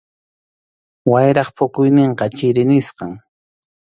Wayrap phukuyninqa chiri nisqam.